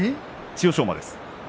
千代翔馬です。